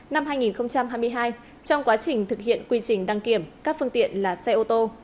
năm hai nghìn hai mươi hai trong quá trình thực hiện quy trình đăng kiểm các phương tiện là xe ô tô